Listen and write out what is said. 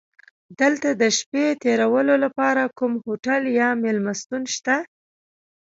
دلته د شپې تېرولو لپاره کوم هوټل یا میلمستون شته؟